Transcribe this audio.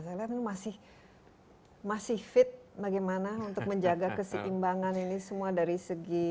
saya lihat ini masih fit bagaimana untuk menjaga keseimbangan ini semua dari segi